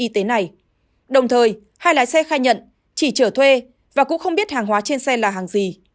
y tế này đồng thời hai lái xe khai nhận chỉ trở thuê và cũng không biết hàng hóa trên xe là hàng gì